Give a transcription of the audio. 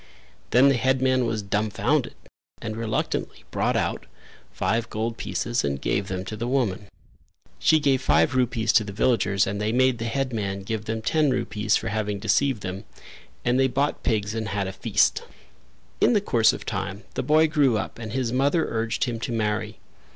Then the headman was dumbfounded and reluctantly brought out five gold pieces and gave them to the woman. She gave five rupees to the villagers and they made the headman give them ten rupees for having deceived them, and they bought pigs and had a feast. In the course of time the boy grew up and his mother urged him to marry.